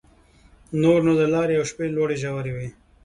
نور نو د لارې او شپې لوړې ژورې وې.